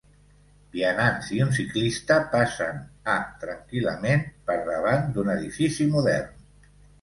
Vianants i un ciclista passen a tranquil·lament per davant d'un edifici modern.